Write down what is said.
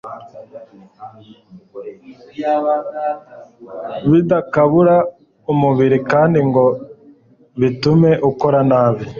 bidakabura umubiri kandi ngo bitume ukora nabi